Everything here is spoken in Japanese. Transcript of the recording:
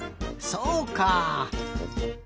そうか。